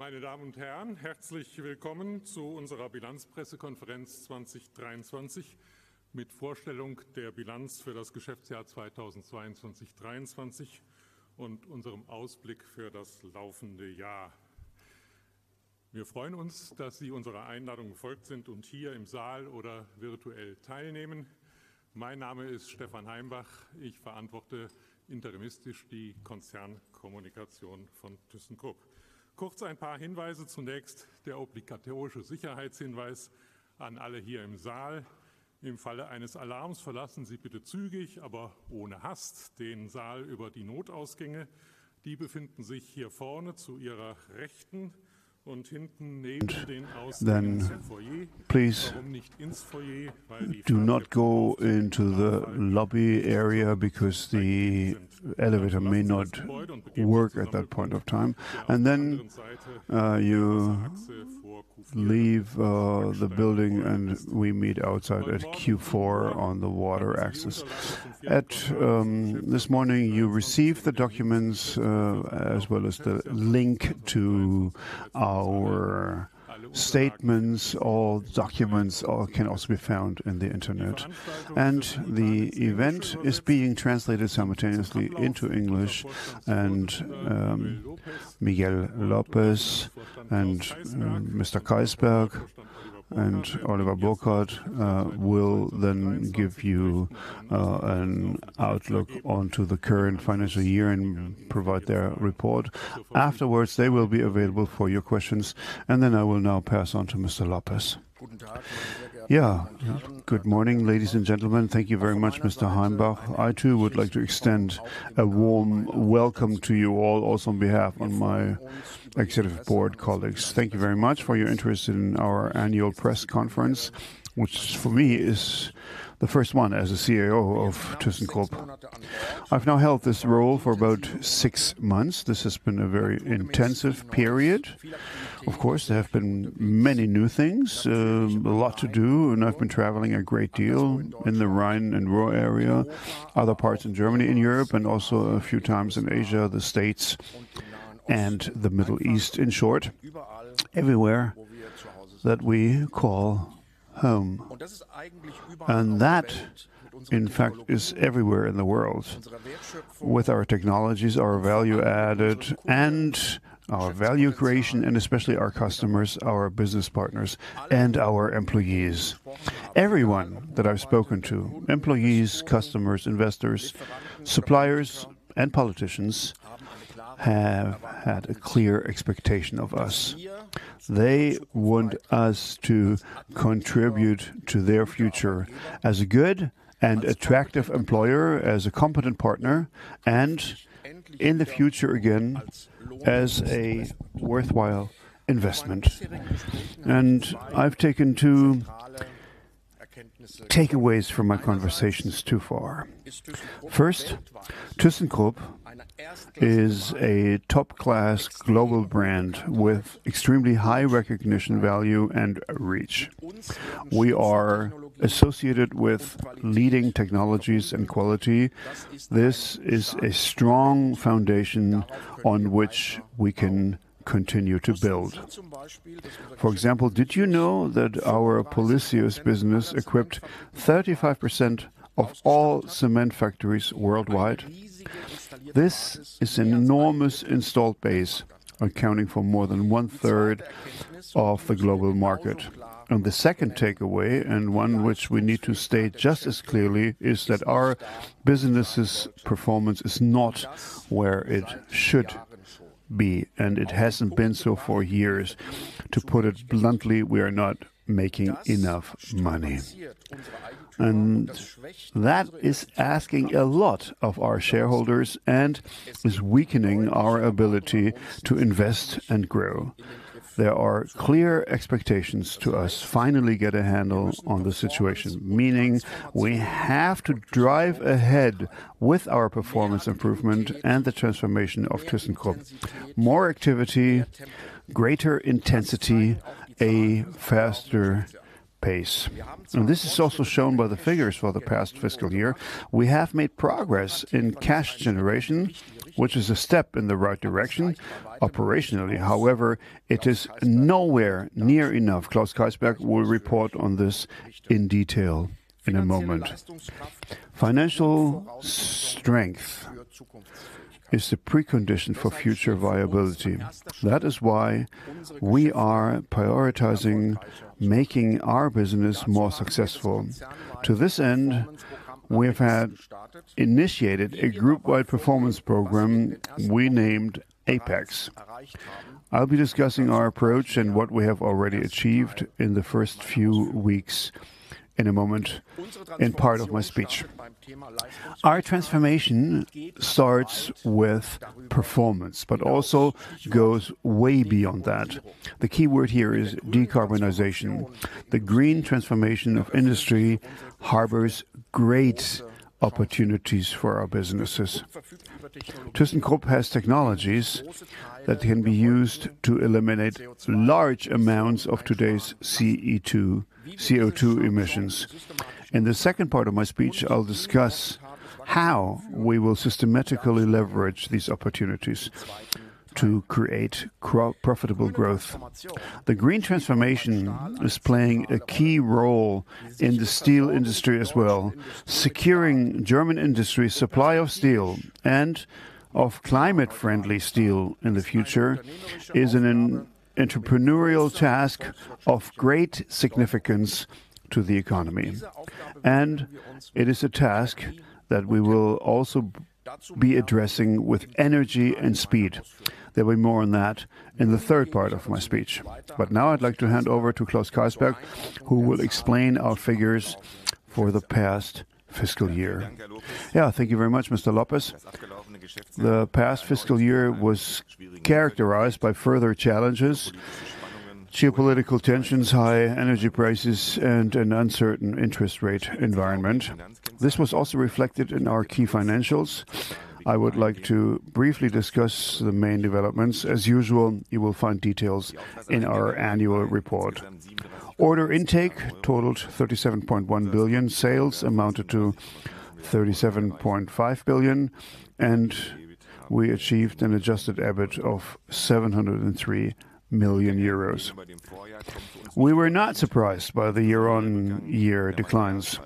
Meine Damen und Herren, herzlich willkommen zu unserer Bilanzpressekonferenz 2023, mit Vorstellung der Bilanz für das Geschäftsjahr 2022/23 und unserem Ausblick für das laufende Jahr. Wir freuen uns, dass Sie unserer Einladung gefolgt sind und hier im Saal oder virtuell teilnehmen. Mein Name ist Stefan Heimbach. Ich verantworte interimistisch die Konzernkommunikation von ThyssenKrupp. Kurz ein paar Hinweise: zunächst der obligatorische Sicherheitshinweis an alle hier im Saal. Im Falle eines Alarms verlassen Sie bitte zügig, aber ohne Hast, den Saal über die Notausgänge. Die befinden sich hier vorne zu Ihrer Rechten und hinten neben den Ausgängen zum Foyer. Warum nicht ins Foyer? Please do not go into the lobby area, because the elevator may not work at that point of time. You leave the building, and we meet outside at Q4 on the water axis. This morning, you received the documents, as well as the link to our statements. All documents can also be found in the Internet. The event is being translated simultaneously into English, and Miguel Lopez and Mr. Kaisberg and Oliver Burkert will then give you an outlook onto the current financial year and provide their report. Afterwards, they will be available for your questions, and I will now pass on to Mr. Lopez. Good morning, ladies and gentlemen. Thank you very much, Mr. Heimbach. I, too, would like to extend a warm welcome to you all, also on behalf of my executive board colleagues. Thank you very much for your interest in our annual press conference, which for me, is the first one as a CEO of ThyssenKrupp. I've now held this role for about six months. This has been a very intensive period. Of course, there have been many new things, a lot to do, and I've been traveling a great deal in the Rhine and Ruhr area, other parts in Germany and Europe, and also a few times in Asia, the States, and the Middle East. In short, everywhere that we call home. That, in fact, is everywhere in the world. With our technologies, our value added and our value creation, and especially our customers, our business partners, and our employees. Everyone that I've spoken to, employees, customers, investors, suppliers, and politicians, have had a clear expectation of us. They want us to contribute to their future as a good and attractive employer, as a competent partner, and in the future, again, as a worthwhile investment. I've taken two takeaways from my conversations so far. First, ThyssenKrupp is a top-class global brand with extremely high recognition, value, and reach. We are associated with leading technologies and quality. This is a strong foundation on which we can continue to build. For example, did you know that our Polysius business equipped 35% of all cement factories worldwide? This is an enormous installed base, accounting for more than one-third of the global market. The second takeaway, and one which we need to state just as clearly, is that our business's performance is not where it should be, and it hasn't been so for years. To put it bluntly, we are not making enough money. That is asking a lot of our shareholders and is weakening our ability to invest and grow. There are clear expectations to us: finally get a handle on the situation, meaning we have to drive ahead with our performance improvement and the transformation of ThyssenKrupp. More activity, greater intensity, a faster pace. This is also shown by the figures for the past fiscal year. We have made progress in cash generation, which is a step in the right direction. Operationally, however, it is nowhere near enough. Klaus Kaisberg will report on this in detail in a moment. Financial strength is the precondition for future viability. That is why we are prioritizing making our business more successful. To this end, we have initiated a group-wide performance program we named Apex. I'll be discussing our approach and what we have already achieved in the first few weeks in a moment in part of my speech. Our transformation starts with performance, but also goes way beyond that. The key word here is decarbonization. The green transformation of industry harbors great opportunities for our businesses. ThyssenKrupp has technologies that can be used to eliminate large amounts of today's CO2 emissions. In the second part of my speech, I'll discuss how we will systematically leverage these opportunities to create profitable growth. The green transformation is playing a key role in the steel industry as well. Securing German industry's supply of steel and of climate-friendly steel in the future is an entrepreneurial task of great significance to the economy, and it is a task that we will also be addressing with energy and speed. There'll be more on that in the third part of my speech. But now I'd like to hand over to Claus Kaisberg, who will explain our figures for the past fiscal year. Thank you very much, Mr. Lopez. The past fiscal year was characterized by further challenges: geopolitical tensions, high energy prices, and an uncertain interest rate environment. This was also reflected in our key financials. I would like to briefly discuss the main developments. As usual, you will find details in our annual report. Order intake totaled $37.1 billion, sales amounted to $37.5 billion, and we achieved an adjusted average of €703 million. We were not surprised by the year-on-year declines.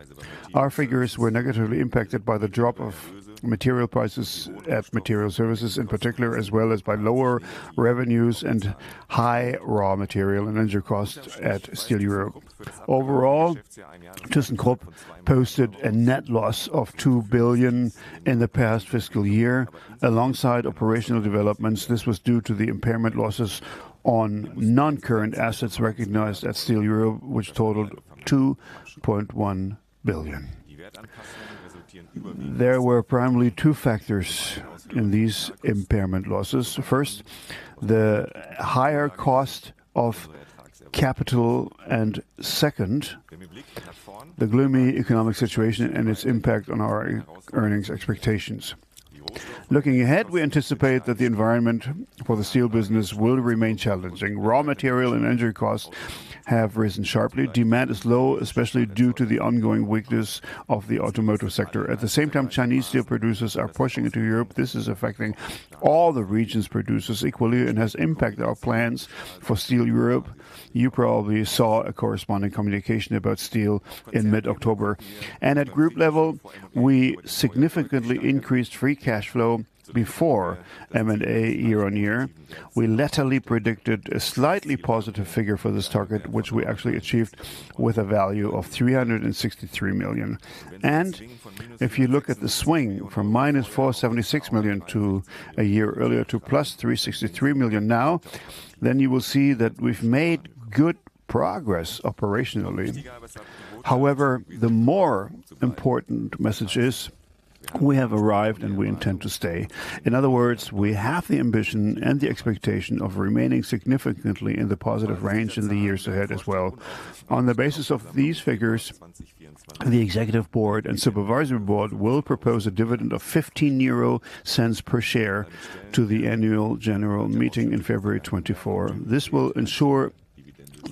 Our figures were negatively impacted by the drop of material prices at Material Services, in particular, as well as by lower revenues and high raw material and energy costs at Steel Europe. Overall, ThyssenKrupp posted a net loss of €2 billion in the past fiscal year. Alongside operational developments, this was due to the impairment losses on non-current assets recognized at Steel Europe, which totaled €2.1 billion. There were primarily two factors in these impairment losses. First, the higher cost of capital, and second, the gloomy economic situation and its impact on our earnings expectations. Looking ahead, we anticipate that the environment for the steel business will remain challenging. Raw material and energy costs have risen sharply. Demand is low, especially due to the ongoing weakness of the automotive sector. At the same time, Chinese steel producers are pushing into Europe. This is affecting all the region's producers equally and has impacted our plans for Steel Europe. You probably saw a corresponding communication about steel in mid-October. At group level, we significantly increased free cash flow before M&A year on year. We latterly predicted a slightly positive figure for this target, which we actually achieved with a value of $363 million. If you look at the swing from minus $476 million a year earlier, to plus $363 million now, then you will see that we've made good progress operationally. However, the more important message is, we have arrived and we intend to stay. In other words, we have the ambition and the expectation of remaining significantly in the positive range in the years ahead as well. On the basis of these figures, the executive board and supervisory board will propose a dividend of €0.15 per share to the annual general meeting in February 2024. This will ensure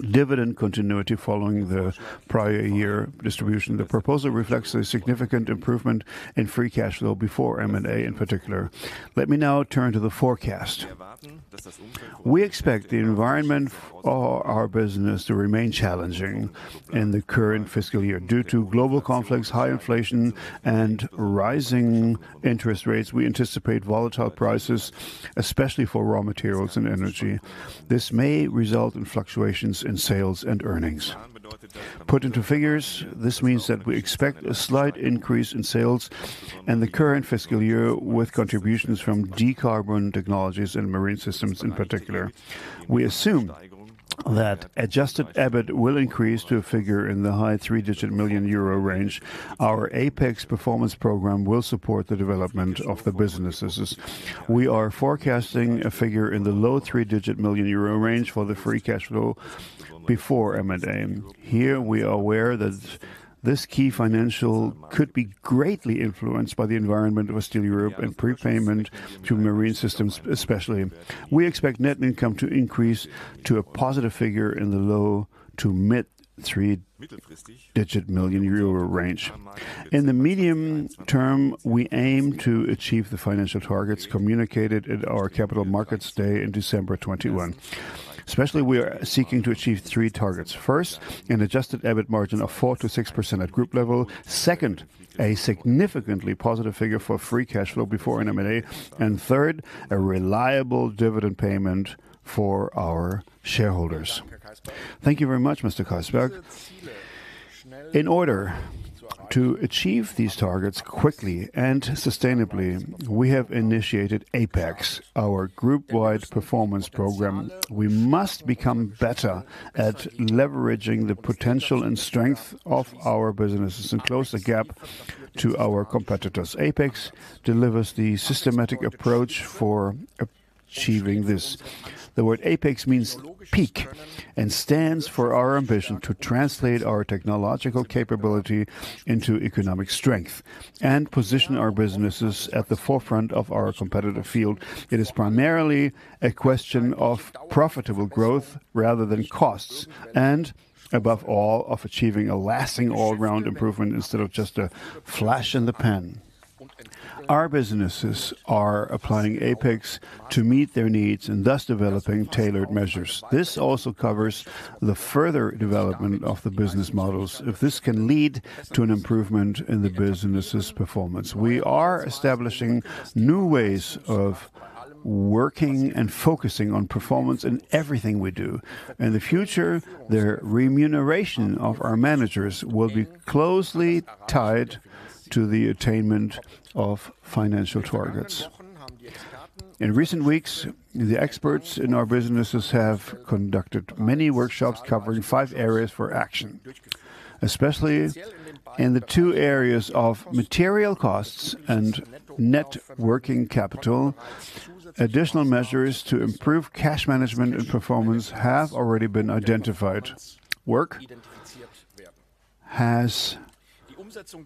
dividend continuity following the prior year distribution. The proposal reflects a significant improvement in free cash flow before M&A in particular. Let me now turn to the forecast. We expect the environment for our business to remain challenging in the current fiscal year. Due to global conflicts, high inflation, and rising interest rates, we anticipate volatile prices, especially for raw materials and energy. This may result in fluctuations in sales and earnings. Put into figures, this means that we expect a slight increase in sales in the current fiscal year, with contributions from Decarbon Technologies and Marine Systems in particular. We assume that adjusted EBIT will increase to a figure in the high three-digit million euro range. Our Apex performance program will support the development of the businesses. We are forecasting a figure in the low three-digit million euro range for the free cash flow before M&A. Here, we are aware that this key financial could be greatly influenced by the environment of Steel Europe and prepayment to Marine Systems, especially. We expect net income to increase to a positive figure in the low to mid three-digit million euro range. In the medium term, we aim to achieve the financial targets communicated at our Capital Markets Day in December 2021. Especially, we are seeking to achieve three targets: First, an adjusted EBIT margin of 4% to 6% at group level. Second, a significantly positive figure for free cash flow before M&A. And third, a reliable dividend payment for our shareholders. Thank you very much, Mr. Kaisberg. In order to achieve these targets quickly and sustainably, we have initiated Apex, our group-wide performance program. We must become better at leveraging the potential and strength of our businesses and close the gap to our competitors. Apex delivers the systematic approach for achieving this. The word Apex means peak, and stands for our ambition to translate our technological capability into economic strength and position our businesses at the forefront of our competitive field. It is primarily a question of profitable growth rather than costs, and above all, of achieving a lasting all-round improvement instead of just a flash in the pan. Our businesses are applying APEX to meet their needs, and thus developing tailored measures. This also covers the further development of the business models, if this can lead to an improvement in the business's performance. We are establishing new ways of working and focusing on performance in everything we do. In the future, the remuneration of our managers will be closely tied to the attainment of financial targets. In recent weeks, the experts in our businesses have conducted many workshops covering five areas for action, especially in the two areas of material costs and net working capital. Additional measures to improve cash management and performance have already been identified. Work has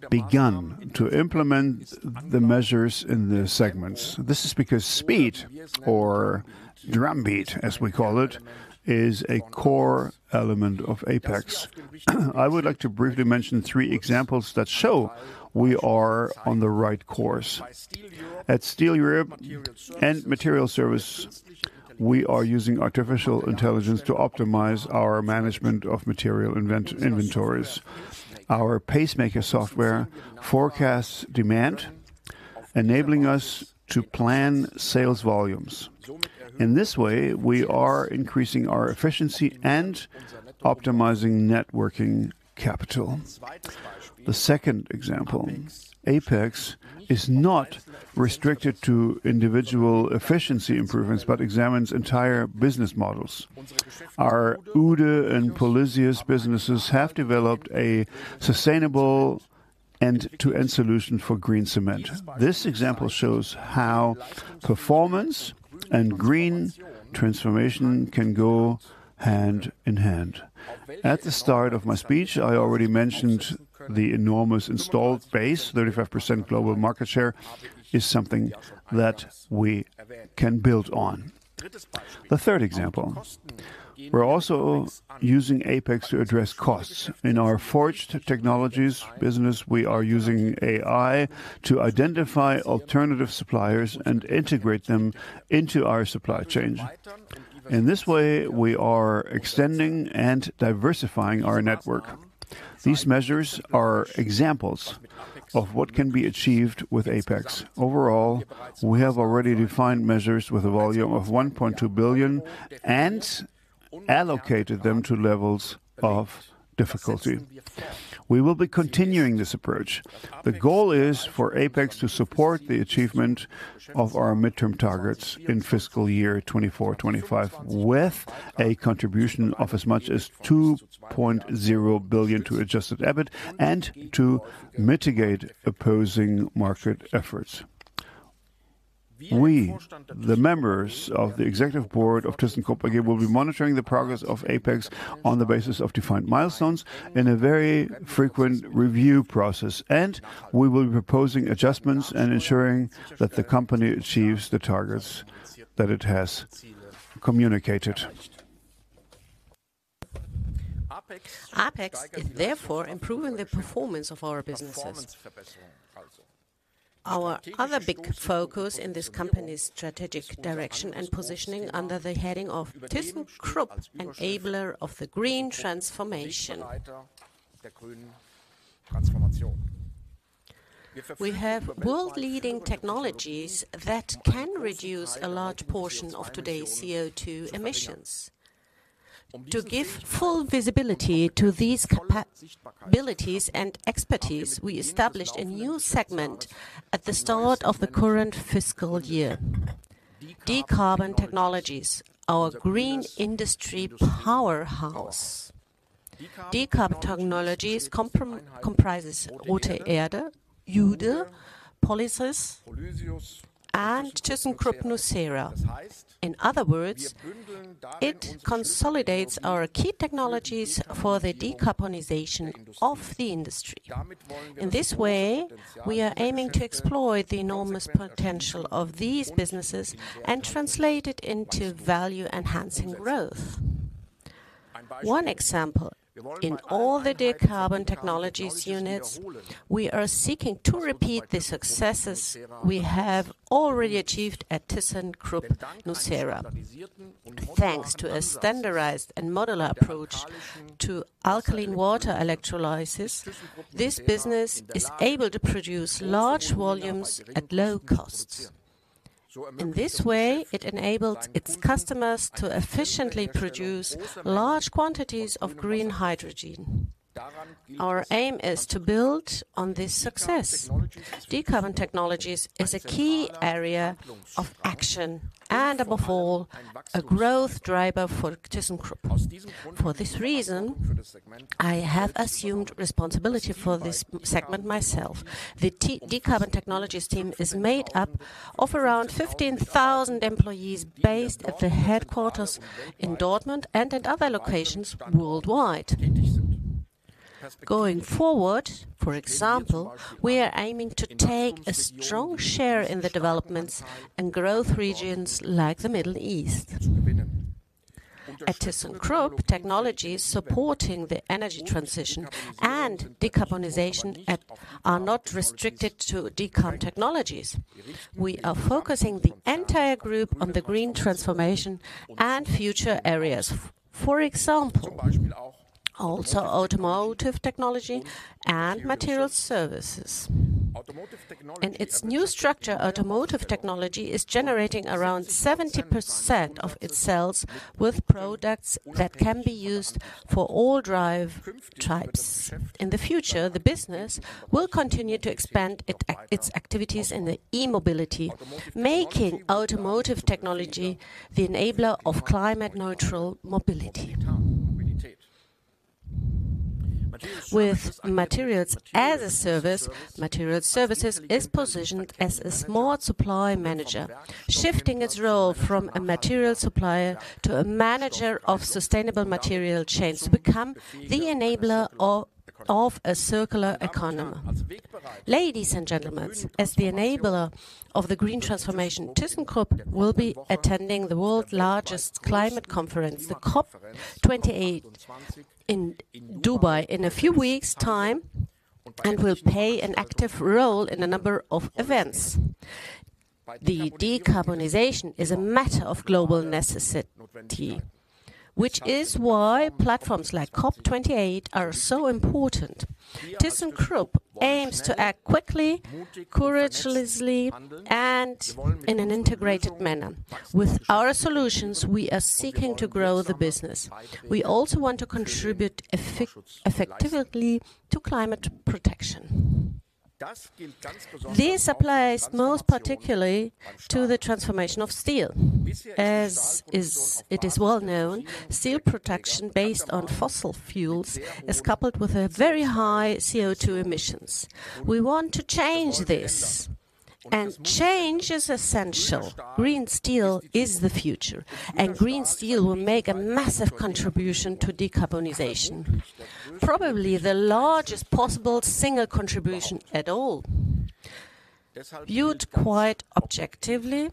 begun to implement the measures in the segments. This is because speed, or drum beat, as we call it, is a core element of APEX. I would like to briefly mention three examples that show we are on the right course. At Steel Europe and Material Service, we are using artificial intelligence to optimize our management of material inventories. Our pacemaker software forecasts demand, enabling us to plan sales volumes. In this way, we are increasing our efficiency and optimizing net working capital. The second example, APEX is not restricted to individual efficiency improvements, but examines entire business models. Our Uhde and Polysius businesses have developed a sustainable end-to-end solution for green cement. This example shows how performance and green transformation can go hand in hand. At the start of my speech, I already mentioned the enormous installed base. Thirty-five percent global market share is something that we can build on. The third example, we're also using APEX to address costs. In our forged technologies business, we are using AI to identify alternative suppliers and integrate them into our supply chain. In this way, we are extending and diversifying our network. These measures are examples of what can be achieved with APEX. Overall, we have already defined measures with a volume of $1.2 billion and allocated them to levels of difficulty. We will be continuing this approach. The goal is for APEX to support the achievement of our midterm targets in fiscal year 2024-2025, with a contribution of as much as $2.0 billion to adjusted EBIT and to mitigate opposing market efforts. We, the members of the executive board of thyssenkrupp AG, will be monitoring the progress of APEX on the basis of defined milestones in a very frequent review process, and we will be proposing adjustments and ensuring that the company achieves the targets that it has communicated. APEX is therefore improving the performance of our businesses. Our other big focus in this company's strategic direction and positioning under the heading of thyssenkrupp, enabler of the green transformation. We have world-leading technologies that can reduce a large portion of today's CO2 emissions. To give full visibility to these capabilities and expertise, we established a new segment at the start of the current fiscal year. Decarbon Technologies, our green industry powerhouse. Decarbon Technologies comprises Rothe Erde, Uhde, Polysius, and thyssenkrupp Nucera. In other words, it consolidates our key technologies for the decarbonization of the industry. In this way, we are aiming to exploit the enormous potential of these businesses and translate it into value-enhancing growth. One example, in all the Decarbon Technologies units, we are seeking to repeat the successes we have already achieved at thyssenkrupp Nucera. Thanks to a standardized and modular approach to alkaline water electrolysis, this business is able to produce large volumes at low costs. In this way, it enables its customers to efficiently produce large quantities of green hydrogen. Our aim is to build on this success. Decarbon Technologies is a key area of action and, above all, a growth driver for thyssenkrupp. For this reason, I have assumed responsibility for this segment myself. The Decarbon Technologies team is made up of around fifteen thousand employees based at the headquarters in Dortmund and at other locations worldwide. Going forward, for example, we are aiming to take a strong share in the developments in growth regions like the Middle East. At thyssenkrupp, technology is supporting the energy transition and decarbonization. We are not restricted to decarbon technologies. We are focusing the entire group on the green transformation and future areas. For example, also automotive technology and material services. In its new structure, automotive technology is generating around 70% of its sales with products that can be used for all drive types. In the future, the business will continue to expand its activities in the e-mobility, making automotive technology the enabler of climate neutral mobility. With materials as a service, material services is positioned as a smart supply manager, shifting its role from a material supplier to a manager of sustainable material chains to become the enabler of a circular economy. Ladies and gentlemen, as the enabler of the green transformation, thyssenkrupp will be attending the world's largest climate conference, the COP 28, in Dubai, in a few weeks' time, and will play an active role in a number of events. The decarbonization is a matter of global necessity, which is why platforms like COP twenty-eight are so important. thyssenkrupp aims to act quickly, courageously, and in an integrated manner. With our solutions, we are seeking to grow the business. We also want to contribute effectively to climate protection. This applies most particularly to the transformation of steel. As is well known, steel production based on fossil fuels is coupled with very high CO₂ emissions. We want to change this, and change is essential. Green steel is the future, and green steel will make a massive contribution to decarbonization, probably the largest possible single contribution at all. Viewed quite objectively,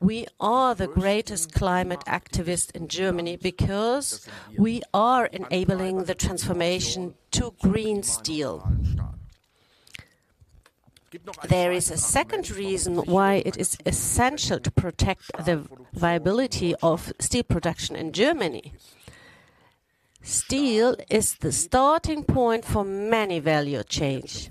we are the greatest climate activist in Germany because we are enabling the transformation to green steel. There is a second reason why it is essential to protect the viability of steel production in Germany. Steel is the starting point for many value chains.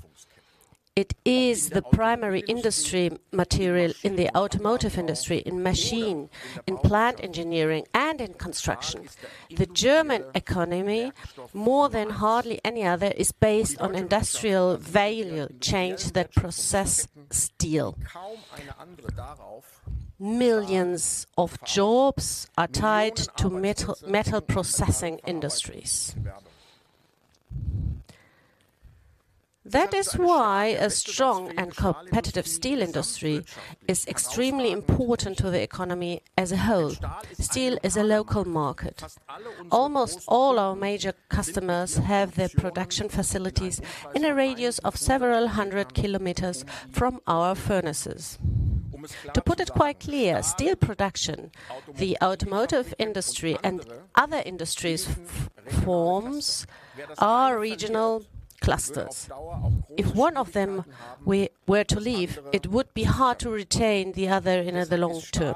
It is the primary industry material in the automotive industry, in machine, in plant engineering, and in construction. The German economy, more than hardly any other, is based on industrial value chains that process steel. Millions of jobs are tied to metal, metal processing industries. That is why a strong and competitive steel industry is extremely important to the economy as a whole. Steel is a local market. Almost all our major customers have their production facilities in a radius of several hundred kilometers from our furnaces. To put it quite clear, steel production, the automotive industry, and other industries forms are regional clusters. If one of them were to leave, it would be hard to retain the other in the long term.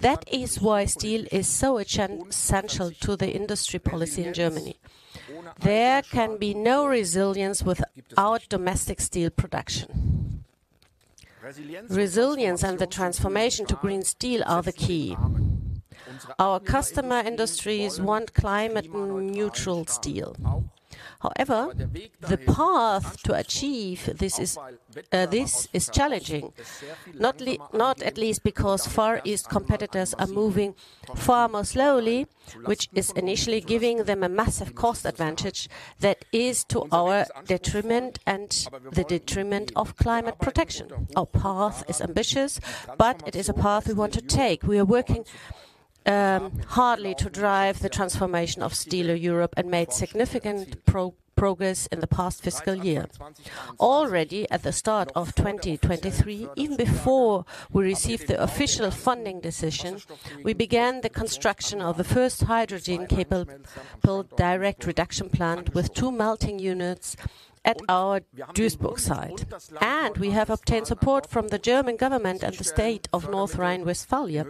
That is why steel is so essential to the industry policy in Germany. There can be no resilience without domestic steel production. Resilience and the transformation to green steel are the key. Our customer industries want climate neutral steel. However, the path to achieve this is challenging, not least because Far East competitors are moving far more slowly, which is initially giving them a massive cost advantage that is to our detriment and the detriment of climate protection. Our path is ambitious, but it is a path we want to take. We are working hard to drive the transformation of steel in Europe and made significant progress in the past fiscal year. Already, at the start of 2023, even before we received the official funding decision, we began the construction of the first hydrogen-capable direct reduction plant with two melting units at our Duisburg site. We have obtained support from the German government and the state of North Rhine-Westphalia.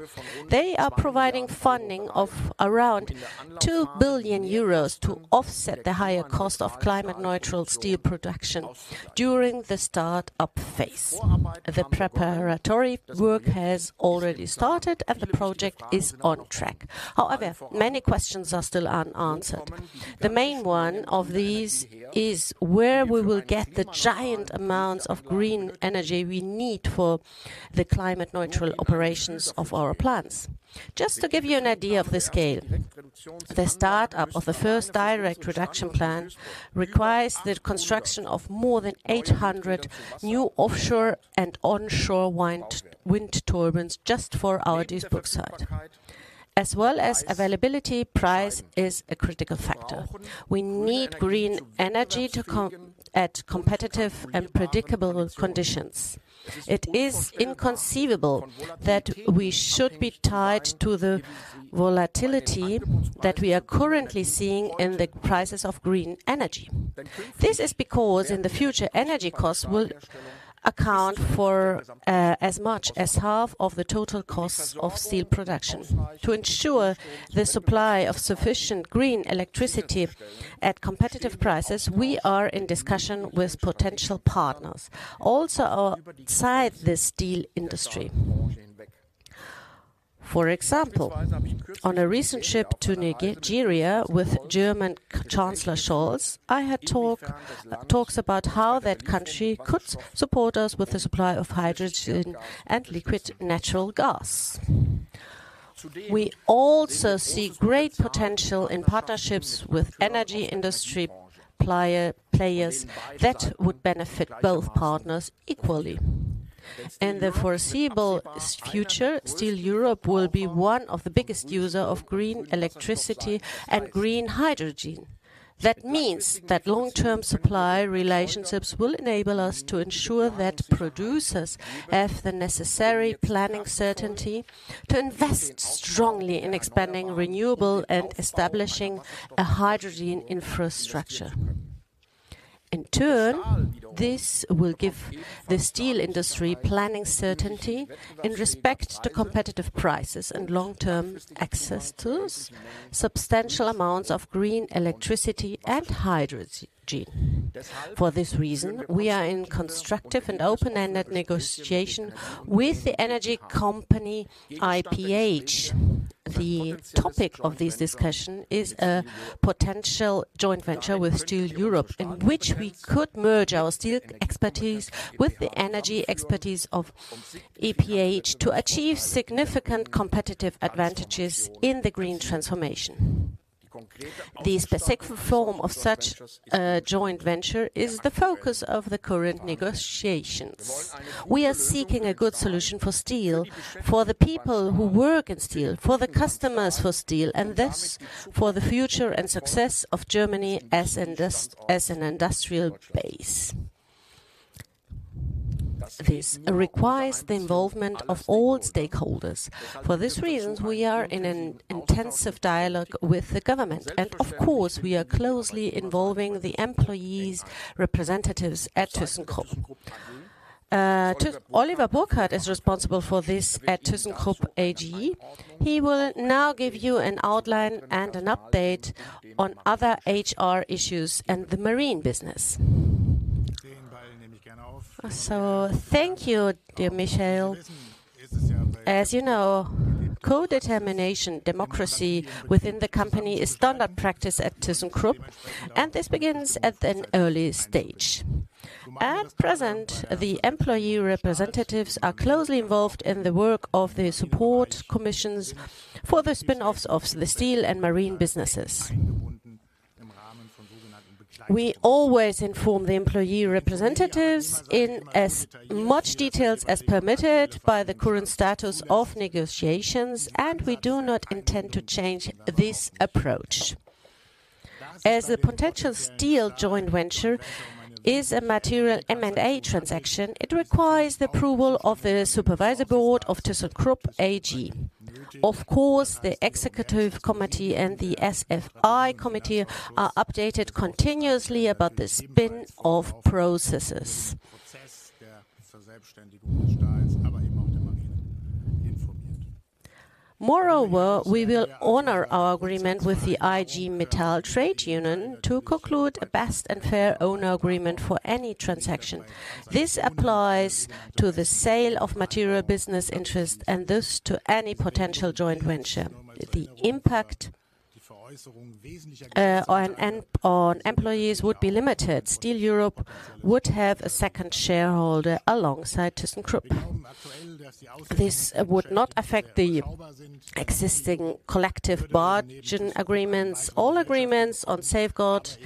They are providing funding of around €2 billion to offset the higher cost of climate neutral steel production during the start-up phase. The preparatory work has already started, and the project is on track. However, many questions are still unanswered. The main one of these is where we will get the giant amounts of green energy we need for the climate neutral operations of our plants. Just to give you an idea of the scale, the start-up of the first direct reduction plant requires the construction of more than 800 new offshore and onshore wind turbines just for our Duisburg site. As well as availability, price is a critical factor. We need green energy to come at competitive and predictable conditions. It is inconceivable that we should be tied to the volatility that we are currently seeing in the prices of green energy. This is because in the future, energy costs will account for as much as half of the total cost of steel production. To ensure the supply of sufficient green electricity at competitive prices, we are in discussion with potential partners, also outside the steel industry. For example, on a recent trip to Nigeria with German Chancellor Scholz, I had talks about how that country could support us with the supply of hydrogen and liquid natural gas. We also see great potential in partnerships with energy industry players that would benefit both partners equally. In the foreseeable future, Steel Europe will be one of the biggest users of green electricity and green hydrogen. That means that long-term supply relationships will enable us to ensure that producers have the necessary planning certainty to invest strongly in expanding renewable and establishing a hydrogen infrastructure. In turn, this will give the steel industry planning certainty in respect to competitive prices and long-term access to substantial amounts of green electricity and hydrogen. For this reason, we are in constructive and open-ended negotiation with the energy company IPH. The topic of this discussion is a potential joint venture with Steel Europe, in which we could merge our steel expertise with the energy expertise of IPH to achieve significant competitive advantages in the green transformation. The specific form of such a joint venture is the focus of the current negotiations. We are seeking a good solution for steel, for the people who work in steel, for the customers for steel, and thus for the future and success of Germany as an industrial base. This requires the involvement of all stakeholders. For this reason, we are in an intensive dialogue with the government, and of course, we are closely involving the employees' representatives at thyssenkrupp. Oliver Burkhard is responsible for this at thyssenkrupp AG. He will now give you an outline and an update on other HR issues and the marine business. So thank you, dear Michael. As you know, codetermination democracy within the company is standard practice at thyssenkrupp, and this begins at an early stage. At present, the employee representatives are closely involved in the work of the support commissions for the spin-offs of the steel and marine businesses. We always inform the employee representatives in as much detail as permitted by the current status of negotiations, and we do not intend to change this approach. As a potential steel joint venture is a material M&A transaction, it requires the approval of the supervisory board of thyssenkrupp AG. Of course, the executive committee and the SFI committee are updated continuously about the spin-off processes. Moreover, we will honor our agreement with the IG Metall trade union to conclude a best and fair owner agreement for any transaction. This applies to the sale of material business interest and thus to any potential joint venture. The impact on employees would be limited. Steel Europe would have a second shareholder alongside thyssenkrupp. This would not affect the existing collective bargaining agreements, all agreements on safeguarding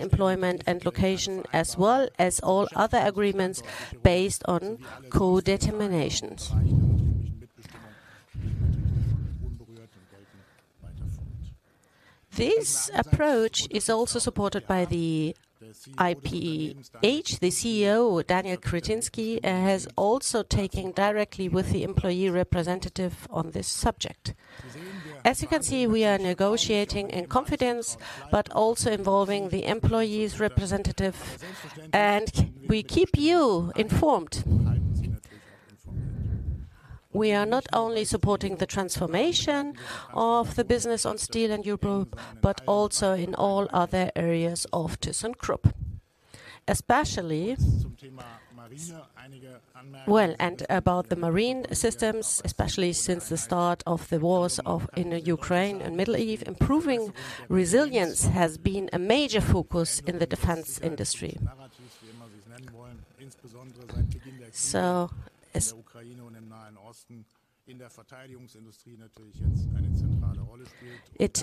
employment and location, as well as all other agreements based on codetermination. This approach is also supported by the IPH. The CEO, Daniel Krywinski, has also taken directly with the employee representative on this subject. As you can see, we are negotiating in confidence, but also involving the employees' representative, and we keep you informed. We are not only supporting the transformation of the business on Steel and Europe, but also in all other areas of thyssenkrupp, especially... Well, and about the marine systems, especially since the start of the wars in Ukraine and Middle East, improving resilience has been a major focus in the defense industry. So as... It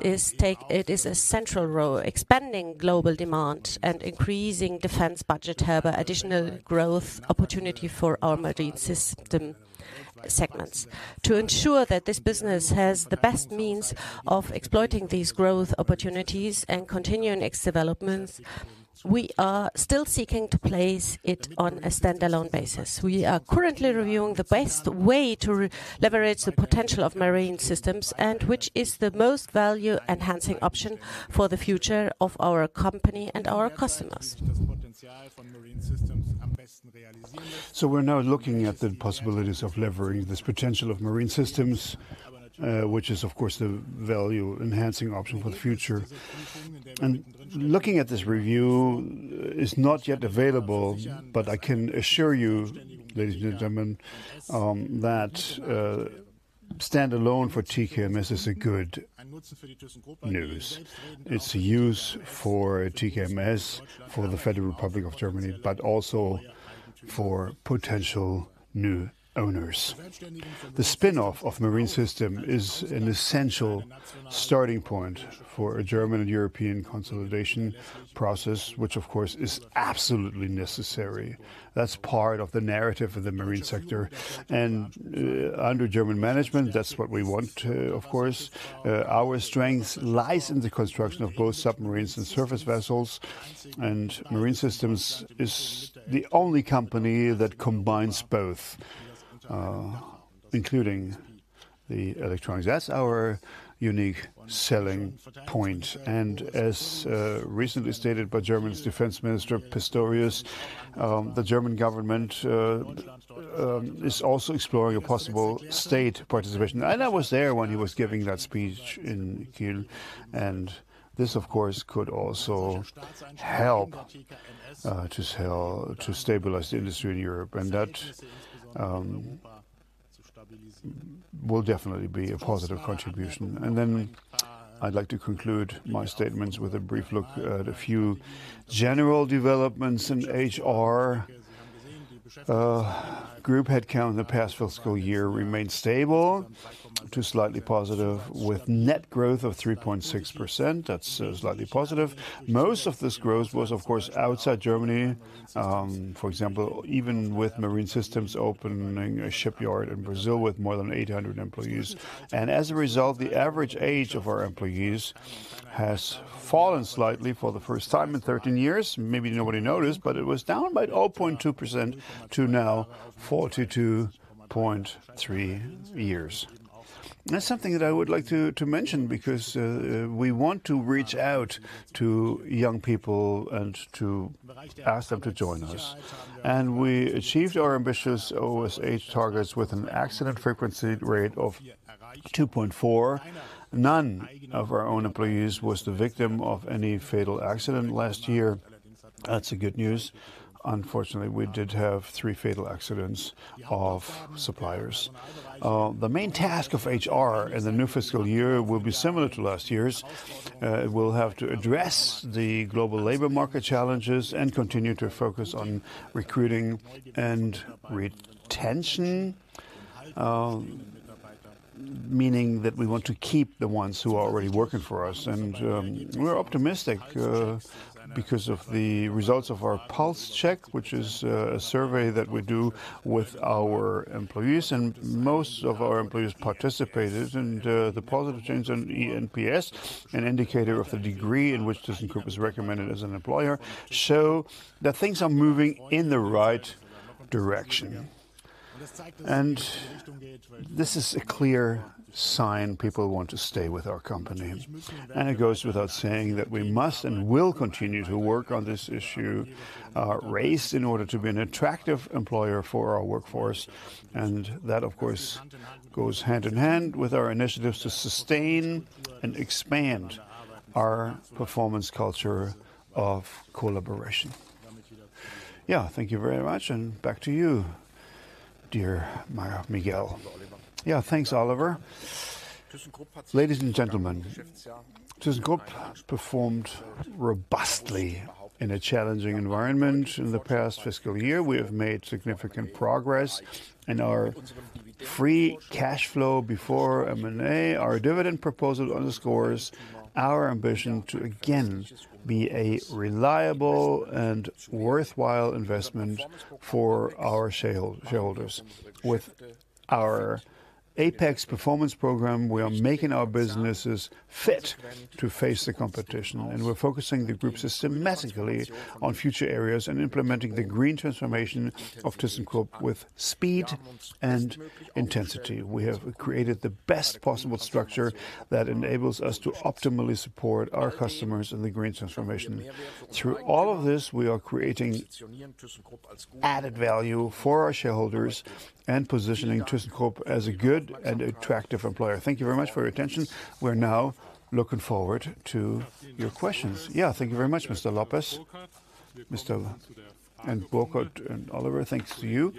is taking... it is a central role. Expanding global demand and increasing defense budget have additional growth opportunity for our marine system segments. To ensure that this business has the best means of exploiting these growth opportunities and continuing its development, we are still seeking to place it on a standalone basis. We are currently reviewing the best way to re-leverage the potential of marine systems, and which is the most value-enhancing option for the future of our company and our customers. Potential from marine systems? So we're now looking at the possibilities of leveraging this potential of Marine Systems, which is, of course, the value-enhancing option for the future. Looking at this review, it's not yet available, but I can assure you, ladies and gentlemen, that stand-alone for TKMS is good news. It's good news for TKMS, for the Federal Republic of Germany, but also for potential new owners. The spin-off of Marine Systems is an essential starting point for a German and European consolidation process, which of course, is absolutely necessary. That's part of the narrative of the marine sector. Under German management, that's what we want, of course. Our strength lies in the construction of both submarines and surface vessels, and Marine Systems is the only company that combines both, including the electronics. That's our unique selling point. As recently stated by German Defense Minister Pistorius, the German government is also exploring a possible state participation. I was there when he was giving that speech in Kiel, and this, of course, could also help to stabilize the industry in Europe, and that will definitely be a positive contribution. I'd like to conclude my statements with a brief look at a few general developments in HR. Group head count in the past fiscal year remained stable to slightly positive, with net growth of 3.6%. That's slightly positive. Most of this growth was, of course, outside Germany, for example, even with Marine Systems opening a shipyard in Brazil with more than 800 employees. As a result, the average age of our employees has fallen slightly for the first time in thirteen years. Maybe nobody noticed, but it was down by 0.2% to now 42.3 years. That's something that I would like to mention because we want to reach out to young people and to ask them to join us. We achieved our ambitious OSH targets with an accident frequency rate of 2.4. None of our own employees was the victim of any fatal accident last year. That's good news. Unfortunately, we did have three fatal accidents of suppliers. The main task of HR in the new fiscal year will be similar to last year's. We'll have to address the global labor market challenges and continue to focus on recruiting and retention, meaning that we want to keep the ones who are already working for us. We're optimistic because of the results of our pulse check, which is a survey that we do with our employees, and most of our employees participated. The positive change on eNPS, an indicator of the degree in which ThyssenKrupp is recommended as an employer, show that things are moving in the right direction. This is a clear sign people want to stay with our company. It goes without saying that we must and will continue to work on this issue in order to be an attractive employer for our workforce. That, of course, goes hand in hand with our initiatives to sustain and expand our performance culture of collaboration. Thank you very much, and back to you, dear Miguel. Thanks, Oliver. Ladies and gentlemen, ThyssenKrupp performed robustly in a challenging environment in the past fiscal year. We have made significant progress in our free cash flow before M&A. Our dividend proposal underscores our ambition to again be a reliable and worthwhile investment for our shareholders. With our Apex performance program, we are making our businesses fit to face the competition, and we're focusing the group systematically on future areas and implementing the green transformation of ThyssenKrupp with speed and intensity. We have created the best possible structure that enables us to optimally support our customers in the green transformation. Through all of this, we are creating added value for our shareholders and positioning ThyssenKrupp as a good and attractive employer. Thank you very much for your attention. We're now looking forward to your questions. Thank you very much, Mr. Lopez, Mr. Burkhard and Oliver, thanks to you.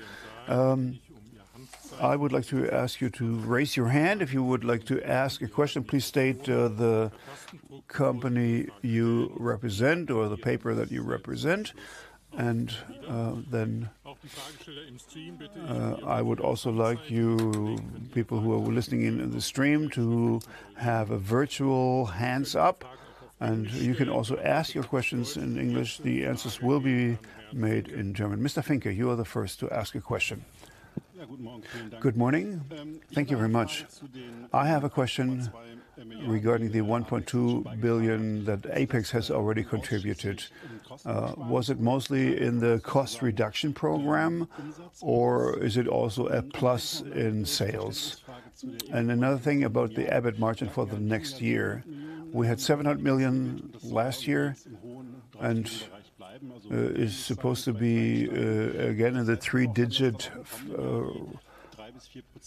I would like to ask you to raise your hand if you would like to ask a question. Please state the company you represent or the paper that you represent, and then I would also like you, people who are listening in the stream, to have a virtual hands up, and you can also ask your questions in English. The answers will be made in German. Mr. Finke, you are the first to ask a question. Good morning. Thank you very much. I have a question regarding the $1.2 billion that Apex has already contributed. Was it mostly in the cost reduction program, or is it also a plus in sales? And another thing about the EBIT margin for the next year, we had $700 million last year, and is supposed to be again in the three-digit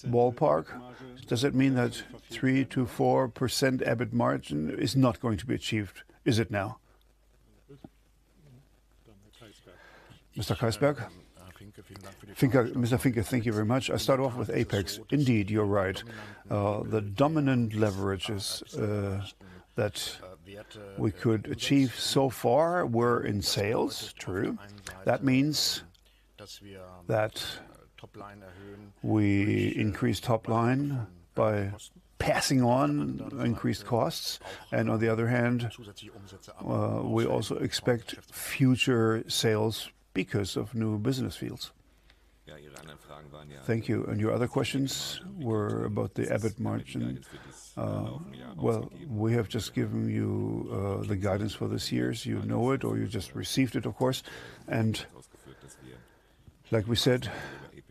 ballpark? Does it mean that 3% to 4% EBIT margin is not going to be achieved now? Mr. Kaisberg. Mr. Finke, thank you very much. I start off with Apex. Indeed, you're right. The dominant leverages that we could achieve so far were in sales, true. That means that we increase top line by passing on increased costs, and on the other hand, we also expect future sales because of new business fields. Thank you. Your other questions were about the EBIT margin. Well, we have just given you the guidance for this year, so you know it, or you just received it, of course. Like we said,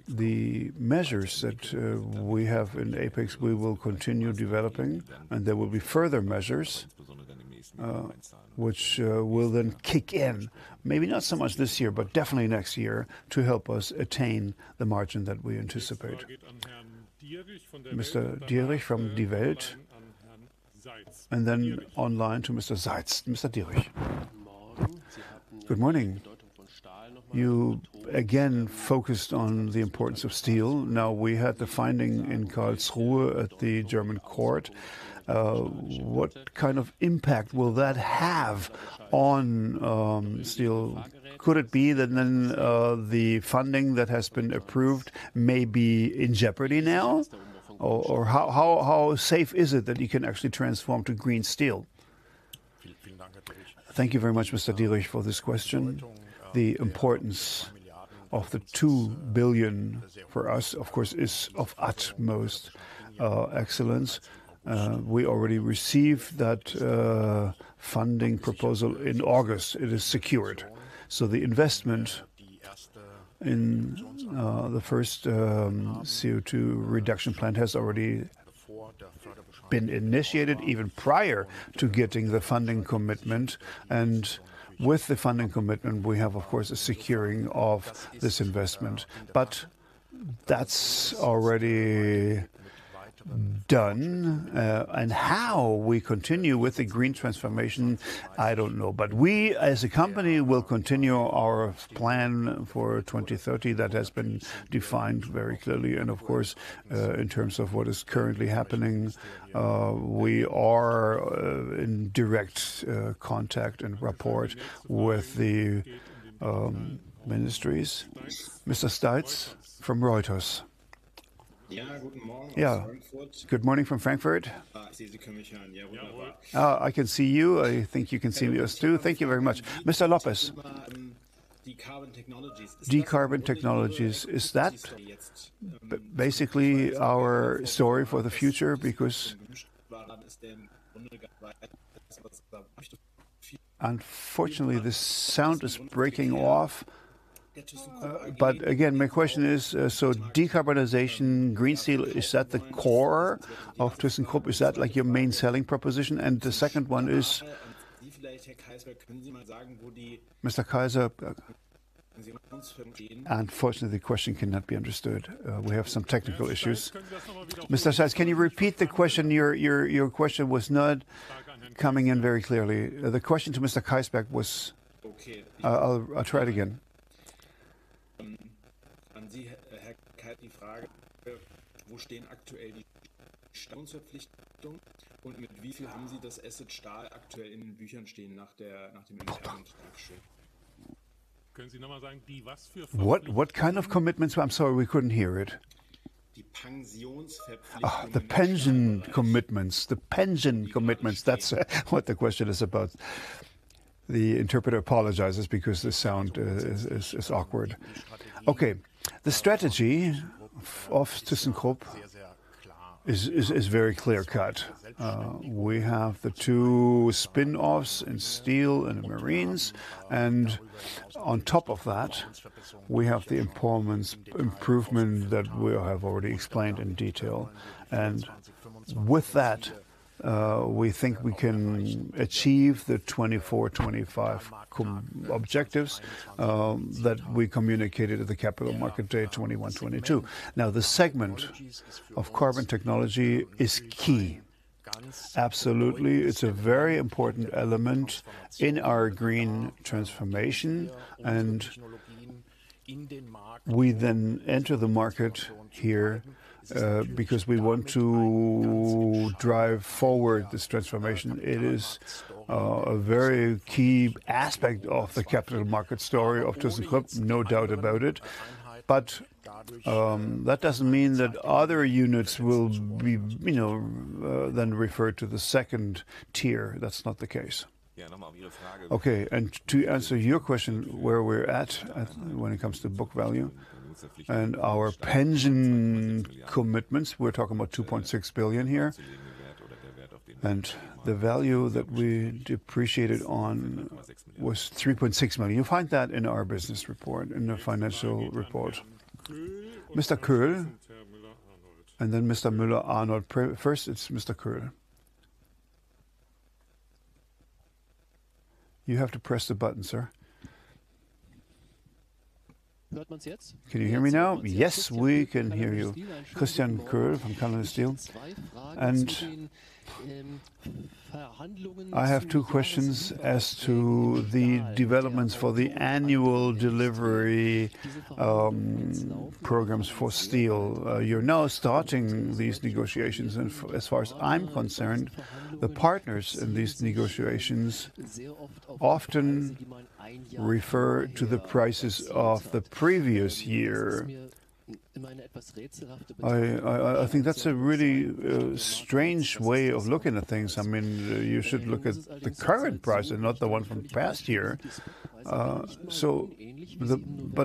the measures that we have in Apex, we will continue developing, and there will be further measures which will then kick in, maybe not so much this year, but definitely next year, to help us attain the margin that we anticipate. Mr. Dierich from Die Welt, and then online to Mr. Seitz. Mr. Dierich. Good morning. You again focused on the importance of steel. Now, we had the finding in Karlsruhe at the German court. What kind of impact will that have on steel? Could it be that then the funding that has been approved may be in jeopardy now? How safe is it that you can actually transform to green steel? Thank you very much, Mr. Dierich, for this question. The importance of the $2 billion for us, of course, is of utmost excellence. We already received that funding proposal in August. It is secured. So the investment in the first CO₂ reduction plant has already been initiated, even prior to getting the funding commitment. And with the funding commitment, we have, of course, a securing of this investment. But that's already done. How we continue with the green transformation, I don't know. But we, as a company, will continue our plan for 2030. That has been defined very clearly. And of course, in terms of what is currently happening, we are in direct contact and rapport with the ministries. Mr. Seitz from Reuters. Good morning from Frankfurt. I can see you. I think you can see us, too. Thank you very much. Mr. Lopez, decarbon technologies. Decarbon technologies, is that basically our story for the future? Because unfortunately, the sound is breaking off. But again, my question is, so decarbonization, green steel, is that the core of thyssenkrupp? Is that, like, your main selling proposition? And the second one is Mr. Kaiser, unfortunately, the question cannot be understood. We have some technical issues. Mr. Seitz, can you repeat the question? Your question was not coming in very clearly. The question to Mr. Kaisberg was... I'll try it again. What kind of commitments? I'm sorry, we couldn't hear it. The pension commitments. The pension commitments. The pension commitments, that's what the question is about. The interpreter apologizes because the sound is awkward. The strategy of thysenkrupp is very clear-cut. We have the two spin-offs in steel and in marines, and on top of that, we have the importance improvement that we have already explained in detail. With that, we think we can achieve the 2024, 2025 objectives that we communicated at the Capital Market Day 2021, 2022. The segment of carbon technology is key. Absolutely, it's a very important element in our green transformation, and we then enter the market here because we want to drive forward this transformation. It is a very key aspect of the capital market story of thysenkrupp, no doubt about it. But that doesn't mean that other units will be referred to the second tier. That's not the case. And to answer your question, where we're at when it comes to book value and our pension commitments, we're talking about $2.6 billion here. The value that we depreciated on was $3.6 million. You'll find that in our business report, in the financial report. Mr. Kohl, and then Mr. Müller-Arnold. First, it's Mr. Kohl. You have to press the button, sir. Can you hear me now? Yes, we can hear you. Christian Koer from Calon Steel. I have two questions as to the developments for the annual delivery programs for steel. You're now starting these negotiations, and as far as I'm concerned, the partners in these negotiations often refer to the prices of the previous year. I think that's a really strange way of looking at things. I mean, you should look at the current price and not the one from the past year. But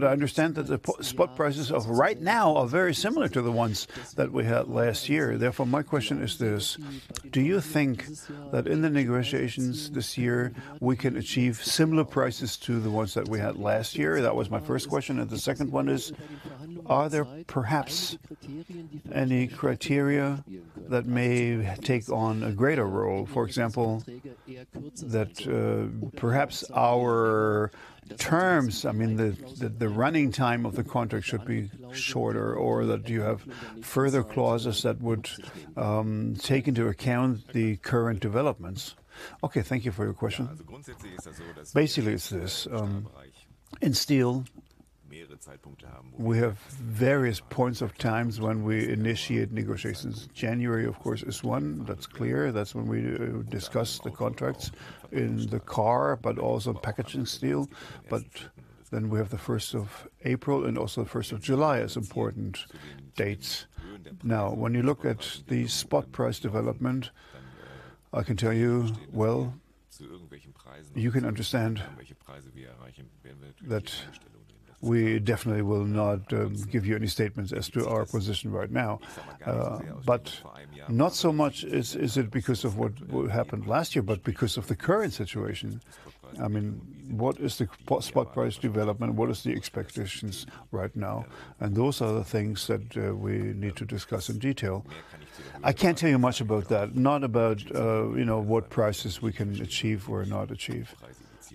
I understand that the spot prices of right now are very similar to the ones that we had last year. Therefore, my question is this: Do you think that in the negotiations this year, we can achieve similar prices to the ones that we had last year? That was my first question. The second one is: Are there perhaps any criteria that may take on a greater role? For example, perhaps our terms, I mean, the running time of the contract should be shorter, or that you have further clauses that would take into account the current developments. Thank you for your question. Basically, it's this in steel, we have various points of times when we initiate negotiations. January, of course, is one, that's clear. That's when we discuss the contracts in the car, but also packaging steel. But then we have the first of April, and also the first of July is important dates. Now, when you look at the spot price development, I can tell you, well, you can understand that we definitely will not give you any statements as to our position right now. But not so much is it because of what happened last year, but because of the current situation. I mean, what is the spot price development? What is the expectations right now? Those are the things that we need to discuss in detail. I can't tell you much about that, not about what prices we can achieve or not achieve.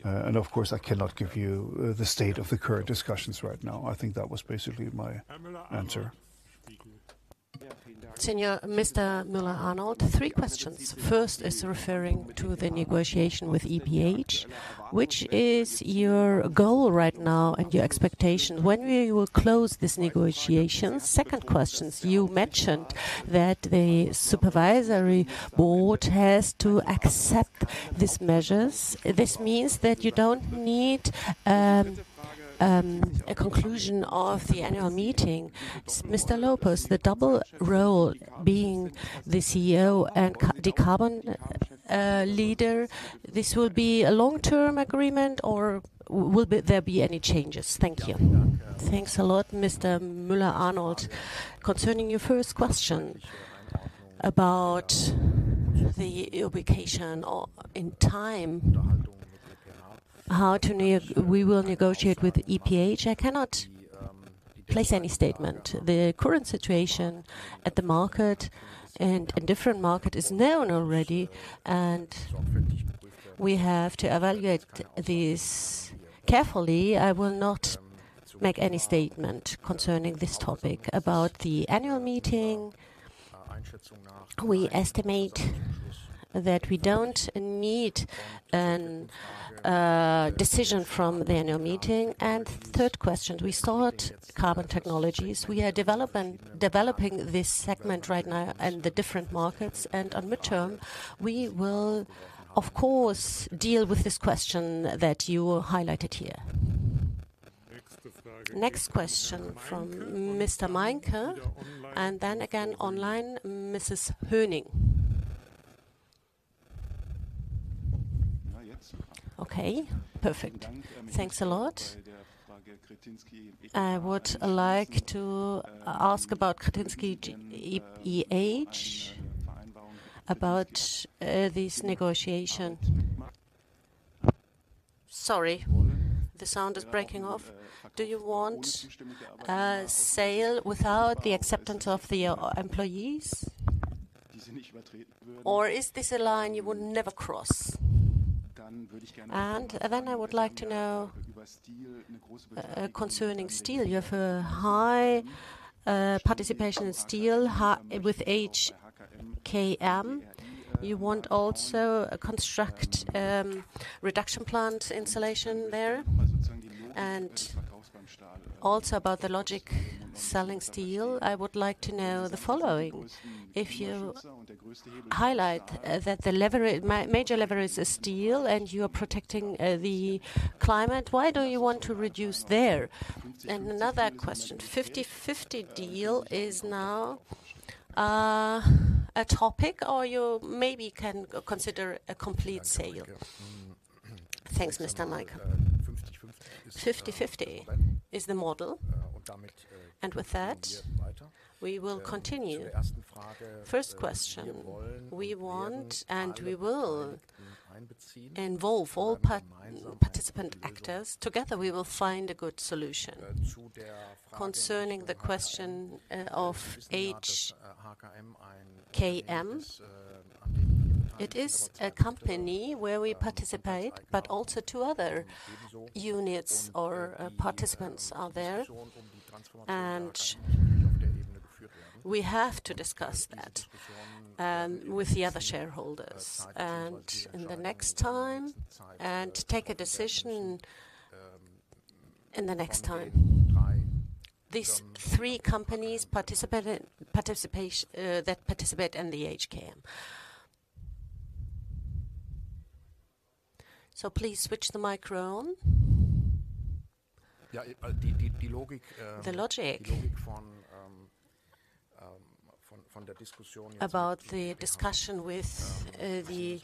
And of course, I cannot give you the state of the current discussions right now. I think that was basically my answer. Señor Mr. Muller Arnold, three questions. First is referring to the negotiation with EPH. Which is your goal right now and your expectation? When will we close this negotiation? Second question, you mentioned that the supervisory board has to accept these measures. This means that you don't need a conclusion of the annual meeting. Mr. Lopez, the double role being the CEO and decarbonization leader, this will be a long-term agreement or will there be any changes? Thank you. Thanks a lot, Mr. Muller Arnold. Concerning your first question about the obligation or in time, how to negotiate... We will negotiate with EPH, I cannot place any statement. The current situation at the market and a different market is known already, and we have to evaluate this carefully. I will not make any statement concerning this topic. About the annual meeting, we estimate that we don't need a decision from the annual meeting. And third question, we sought carbon technologies. We are developing this segment right now and the different markets, and on midterm, we will, of course, deal with this question that you highlighted here. Next question from Mr. Meinke, and then again, online, Mrs. Honig. Okay, perfect. Thanks a lot. I would like to ask about Kretinsky E-EPH, about this negotiation. Sorry, the sound is breaking off. Do you want a sale without the acceptance of the employees? Or is this a line you would never cross? And then I would like to know, concerning steel, you have a high participation in steel with HKM. You want also a construct reduction plant installation there. And also about the logic selling steel, I would like to know the following: If you highlight that the leverage, major leverage is steel and you are protecting the climate, why do you want to reduce there? And another question, fifty-fifty deal is now a topic, or you maybe can consider a complete sale. Thanks, Mr. Meinke. Fifty-fifty is the model, and with that, we will continue. First question, we want, and we will— involve all participant actors. Together, we will find a good solution. Concerning the question of HKM, it is a company where we participate, but also two other units or participants are there, and we have to discuss that with the other shareholders, and in the next time, and take a decision in the next time. These three companies participate in participation that participate in the HKM. So please switch the micro on. Yeah, the logic from the discussion about the discussion with the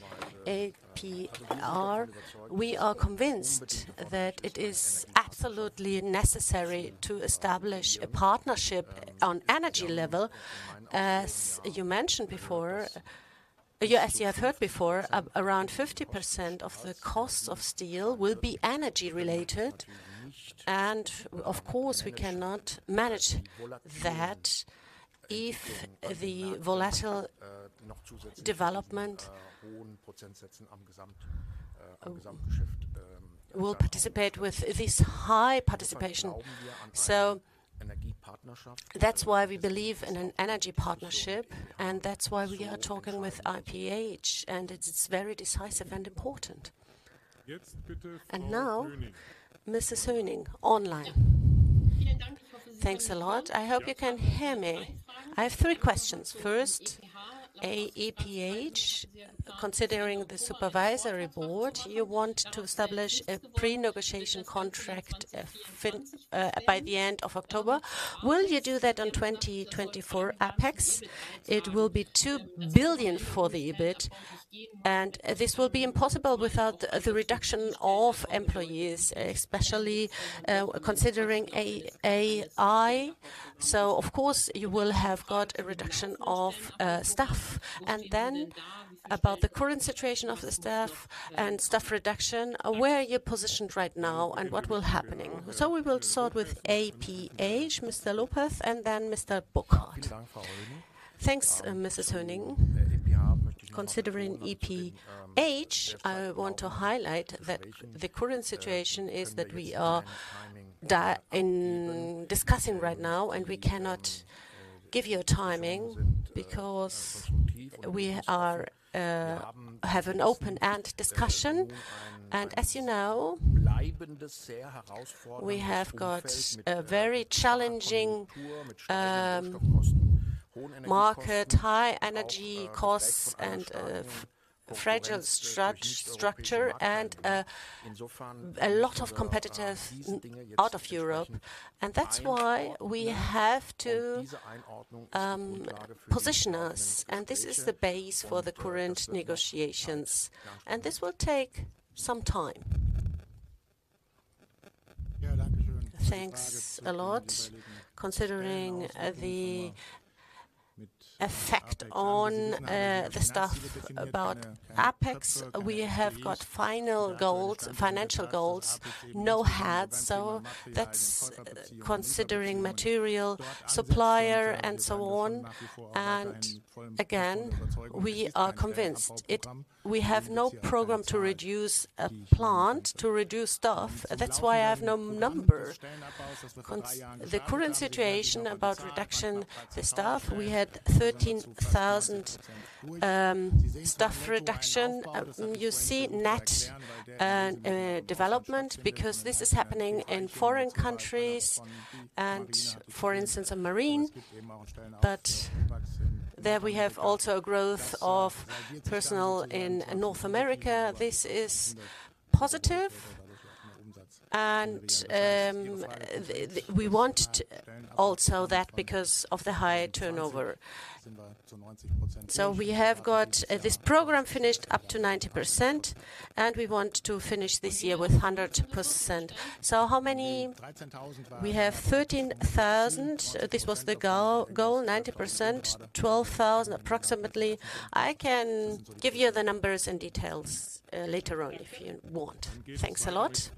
APR, we are convinced that it is absolutely necessary to establish a partnership on energy level. As you mentioned before, around 50% of the costs of steel will be energy-related, and of course, we cannot manage that if the volatile development will participate with this high participation. That's why we believe in an energy partnership, and that's why we are talking with IPH, and it's very decisive and important. Yes, good. Now, Mrs. Hening, online. Thanks a lot. I hope you can hear me. I have three questions. First, APH, considering the supervisory board, you want to establish a pre-negotiation contract by the end of October. Will you do that on 2024 APEX? It will be $2 billion for the EBIT, and this will be impossible without the reduction of employees, especially considering AI. Of course, you will have got a reduction of staff. About the current situation of the staff and staff reduction, where are you positioned right now, and what will be happening? We will start with APH, Mr. Lopez, and then Mr. Burkhardt. Thanks, Mrs. Hening. Considering APH, I want to highlight that the current situation is that we are discussing right now, and we cannot give you a timing, because we have an open-end discussion. As you know, we have got a very challenging market, high energy costs and fragile structure, and a lot of competitive out of Europe. That's why we have to position us, and this is the base for the current negotiations, and this will take some time. Thanks a lot. Considering the effect on the staff about APEX, we have got final goals, financial goals, no hats, so that's considering material, supplier, and so on. Again, we are convinced it... We have no program to reduce a plant, to reduce staff. That's why I have no number. On the current situation about reduction the staff, we had 13,000 staff reduction. You see net development, because this is happening in foreign countries and for instance, on marine. There we have also a growth of personnel in North America. This is positive, and we want also that because of the high turnover. We have got this program finished up to 90%, and we want to finish this year with 100%. How many? We have 13,000. This was the goal, 90%, 12,000 approximately. I can give you the numbers and details later on if you want. Thanks a lot.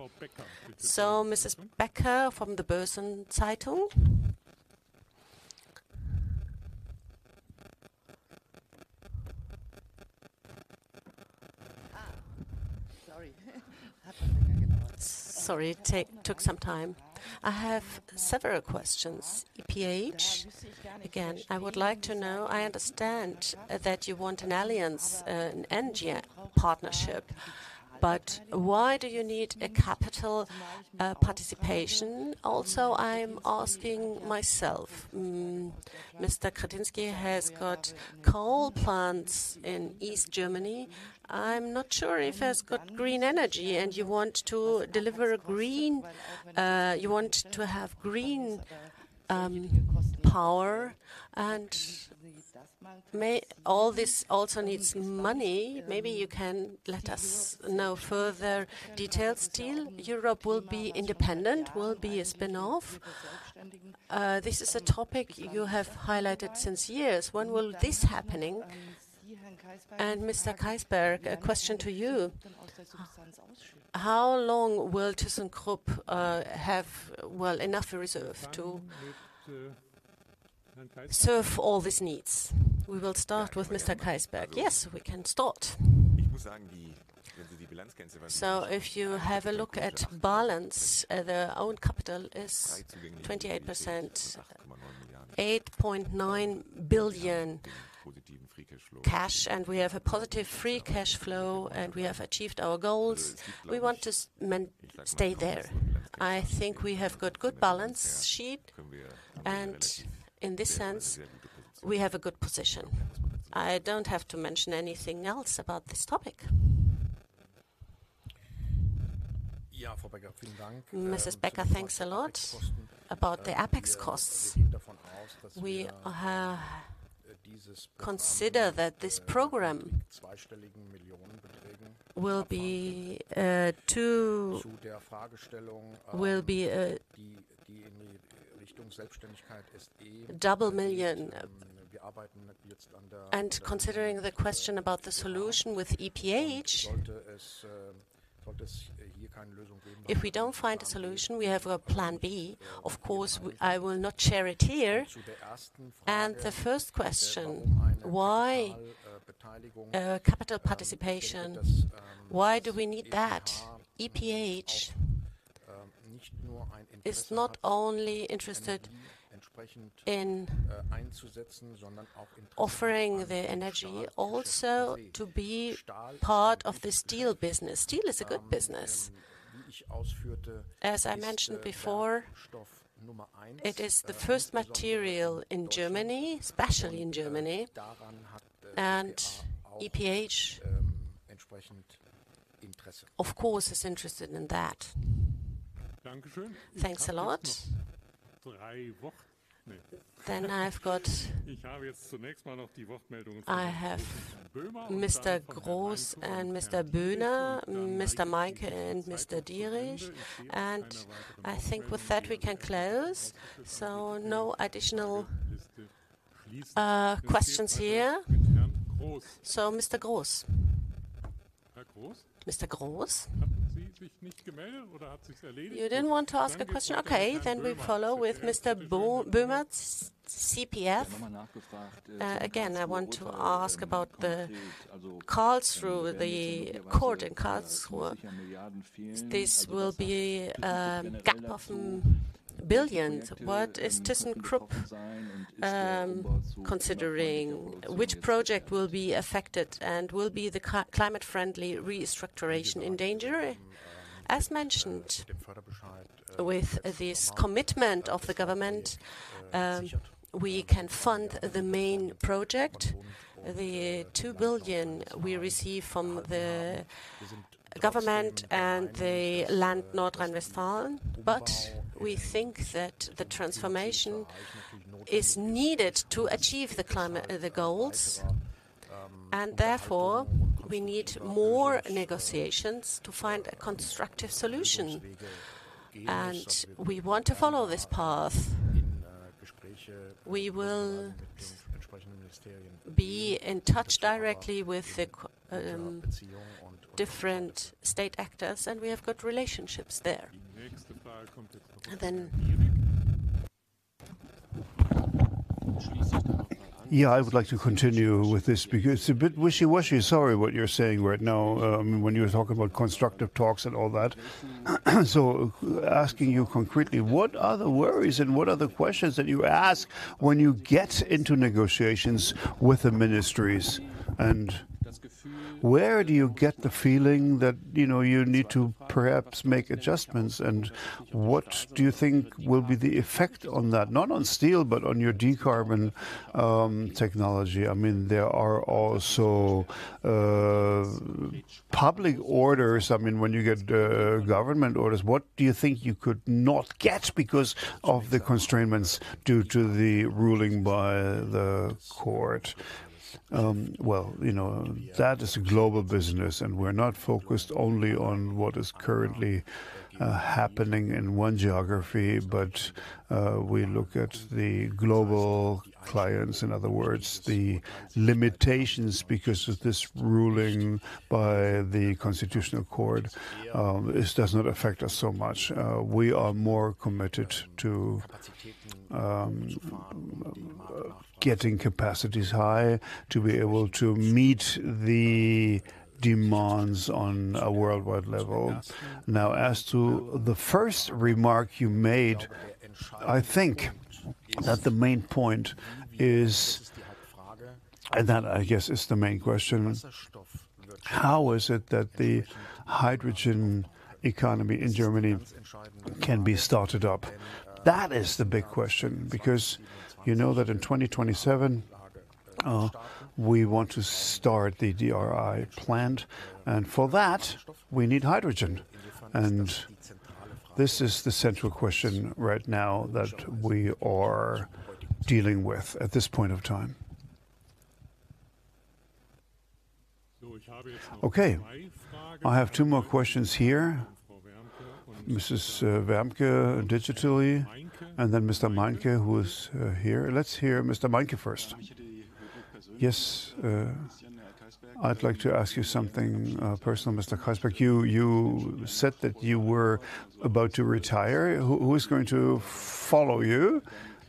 Mrs. Becker from the Bösen Zeitung. Sorry, happened again. Sorry, took some time. I have several questions. EPH, again, I would like to know, I understand that you want an alliance, an energy partnership, but why do you need a capital participation? Also, I'm asking myself, Mr. Katinsky has got coal plants in East Germany. I'm not sure if he has got green energy, and you want to deliver green, you want to have green power and maybe... All this also needs money. Maybe you can let us know further details. Still, Europe will be independent, will be a spin-off. This is a topic you have highlighted since years. When will this happening? And Mr. Kaisberg, a question to you... How long will thyssenkrupp have enough reserve to serve all these needs? We will start with Mr. Kaisberg. Yes, we can start. So if you have a look at balance, the own capital is 28%, €8.9 billion cash, and we have a positive free cash flow, and we have achieved our goals. We want to stay there. I think we have got good balance sheet, and in this sense, we have a good position. I don't have to mention anything else about this topic. Mrs. Becker, thanks a lot. About the Apex costs, we consider that this program will be €2 million. And considering the question about the solution with EPH, if we don't find a solution, we have a plan B. Of course, I will not share it here. The first question: why capital participation? Why do we need that? EPH is not only interested in offering the energy, also to be part of the steel business. Steel is a good business. As I mentioned before, it is the first material in Germany, especially in Germany, and EPH, of course, is interested in that. Thanks a lot. I've got... I have Mr. Gross and Mr. Böner, Mr. Meinke, and Mr. Dierig, and I think with that, we can close. No additional questions here. Mr. Gross. Mr. Gross? You didn't want to ask a question. Okay, then we follow with Mr. Böhmer, CPF. Again, I want to ask about the calls through the court in Karlsruhe. This will be gap of billions. What is thyssenkrupp considering? Which project will be affected, and will the climate friendly restructuration be in danger? As mentioned, with this commitment of the government, we can fund the main project, the $2 billion we receive from the government and the land, Nordrhein-Westfalen. But we think that the transformation is needed to achieve the climate goals, and therefore, we need more negotiations to find a constructive solution, and we want to follow this path. We will be in touch directly with different state actors, and we have got relationships there. I would like to continue with this because it's a bit wishy-washy. Sorry, what you're saying right now when you talk about constructive talks and all that. So asking you concretely, what are the worries and what are the questions that you ask when you get into negotiations with the ministries? And where do you get the feeling that you need to perhaps make adjustments, and what do you think will be the effect on that? Not on steel, but on your decarbonization technology. I mean, there are also public orders. I mean, when you get government orders, what do you think you could not get because of the constraints due to the ruling by the court? Well, you know, that is a global business, and we're not focused only on what is currently happening in one geography, but we look at the global clients. In other words, the limitations, because of this ruling by the Constitutional Court, this does not affect us so much. We are more committed to getting capacities high, to be able to meet the demands on a worldwide level. Now, as to the first remark you made, I think that the main point is, and that, I guess, is the main question: How is it that the hydrogen economy in Germany can be started up? That is the big question, because you know that in 2027, we want to start the DRI plant, and for that, we need hydrogen. This is the central question right now that we are dealing with at this point of time. Okay, I have two more questions here. Mrs. Warmke, digitally, and then Mr. Meinke, who is here. Let's hear Mr. Meinke first. Yes, I'd like to ask you something personal, Mr. Kaisberg. You said that you were about to retire. Who is going to follow you?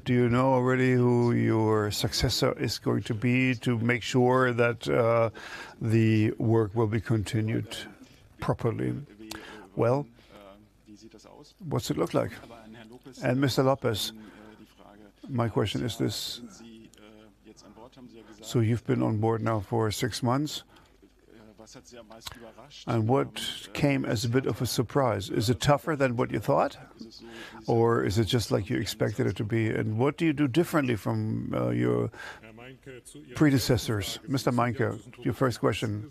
Do you know already who your successor is going to be, to make sure that the work will be continued properly? What's it look like? And Mr. Lopez, my question is this: So you've been on board now for six months, and what came as a bit of a surprise? Is it tougher than what you thought, or is it just like you expected it to be? And what do you do differently from your predecessors? Mr. Meinke, your first question.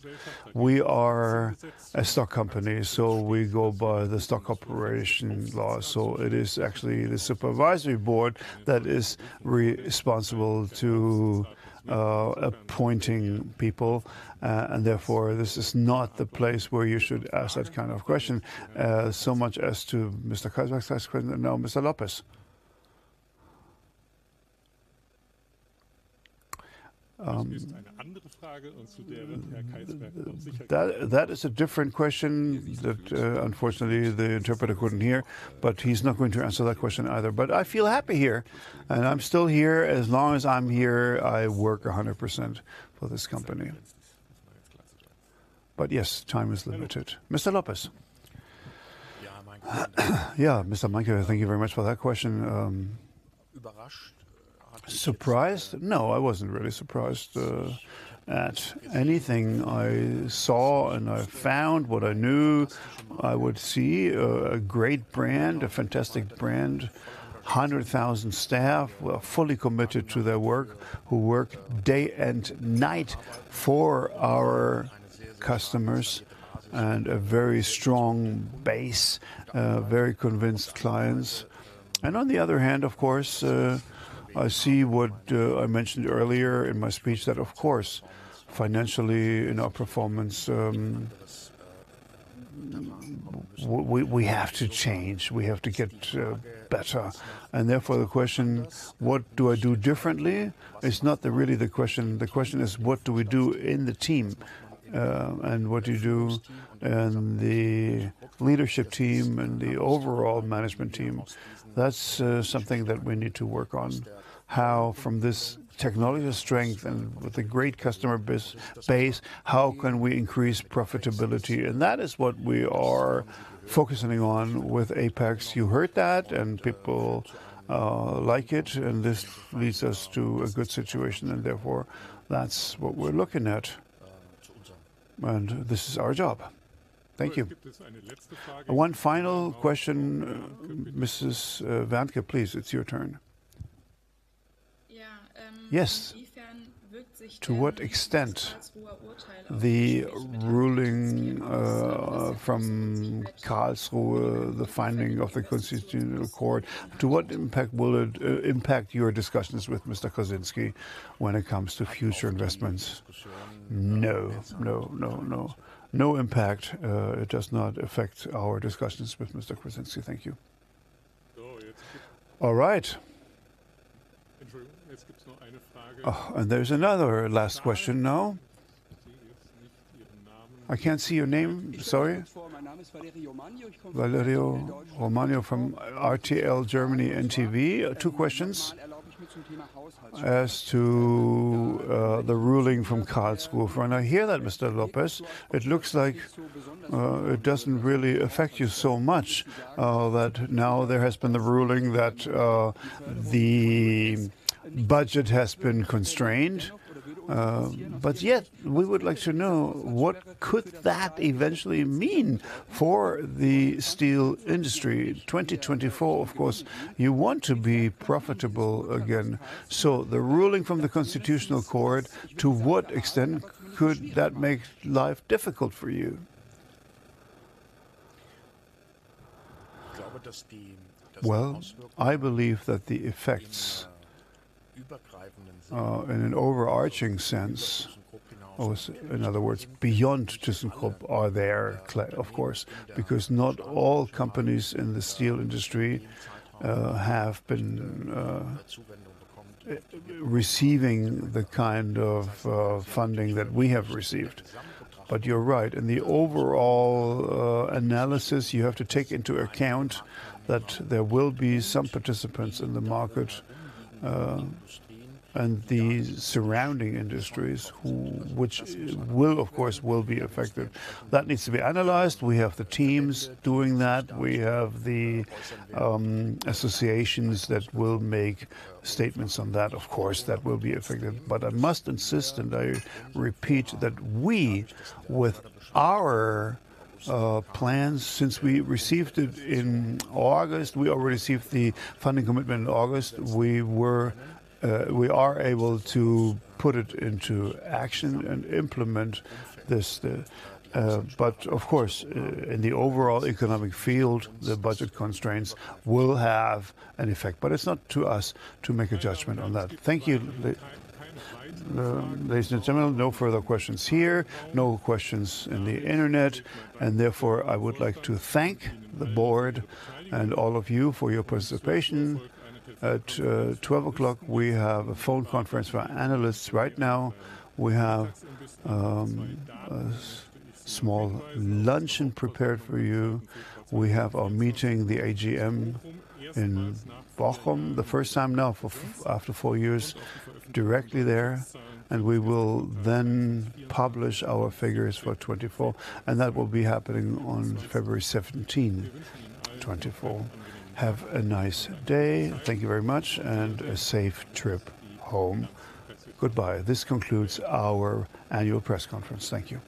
We are a stock company, so we go by the stock operation law. So it is actually the supervisory board that is responsible to appointing people. And therefore, this is not the place where you should ask that kind of question. So much as to Mr. Kaisberg's last question, now, Mr. Lopez. That is a different question that unfortunately, the interpreter couldn't hear, but he's not going to answer that question either. But I feel happy here, and I'm still here. As long as I'm here, I work 100% for this company. But yes, time is limited. Mr. Lopez. Yeah, Mr. Meinke, thank you very much for that question. Surprised? No, I wasn't really surprised at anything I saw and I found what I knew I would see. A great brand, a fantastic brand. One hundred thousand staff, fully committed to their work, who work day and night for our customers, and a very strong base, very convinced clients. On the other hand, of course, I see what I mentioned earlier in my speech, that, of course, financially, in our performance, we have to change. We have to get better. Therefore, the question, what do I do differently? It's not really the question. The question is, what do we do in the team, and what do you do in the leadership team and the overall management team? That's something that we need to work on. How from this technology strength and with a great customer base, how can we increase profitability? That is what we are focusing on with Apex. You heard that, and people like it, and this leads us to a good situation, and therefore, that's what we're looking at. This is our job. Thank you. One final question, Mrs. Vanke, please, it's your turn. Yeah. Yes. To what extent will the ruling from Karlsruhe, the finding of the Constitutional Court, impact your discussions with Mr. Kosinski when it comes to future investments? No. No, no, no. No impact. It does not affect our discussions with Mr. Kosinski. Thank you. All right. And there's another last question now. I can't see your name, sorry. My name is Valerio Romano from RTL Germany, NTV. Two questions. As to the ruling from Karlsruhe, and I hear that, Mr. Lopez, it looks like it doesn't really affect you so much that now there has been the ruling that the budget has been constrained. But yet, we would like to know what could that eventually mean for the steel industry? 2024, of course, you want to be profitable again. The ruling from the Constitutional Court, to what extent could that make life difficult for you? I believe that the effects, in an overarching sense, or in other words, beyond ThyssenKrupp, are there of course. Because not all companies in the steel industry have been receiving the kind of funding that we have received. But you're right, in the overall analysis, you have to take into account that there will be some participants in the market, and the surrounding industries, which will, of course, be affected. That needs to be analyzed. We have the teams doing that. We have the associations that will make statements on that, of course, that will be affected. But I must insist, and I repeat, that we, with our plans since we received it in August, we already received the funding commitment in August. We were able to put it into action and implement this, but of course, in the overall economic field, the budget constraints will have an effect, but it's not to us to make a judgment on that. Thank you, ladies and gentlemen. No further questions here, no questions in the internet, and therefore, I would like to thank the board and all of you for your participation. At twelve o'clock, we have a phone conference for our analysts. Right now, we have a small luncheon prepared for you. We have our meeting, the AGM, in Bochum, the first time now after four years, directly there, and we will then publish our figures for 2024, and that will be happening on February 17, 2024. Have a nice day. Thank you very much, and a safe trip home. Goodbye. This concludes our annual press conference. Thank you.